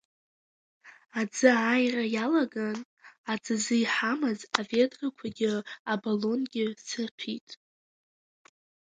Аӡы ааира иалаган, аӡазы иҳамаз аведрақәагьы абалонгьы сырҭәит.